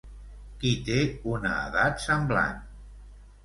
Qui té una edat semblant?